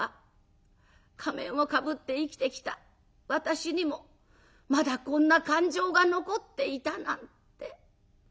仮面をかぶって生きてきた私にもまだこんな感情が残っていたなんて」。